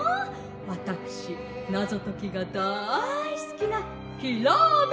わたくしナゾときがだいすきなヒラメＱ！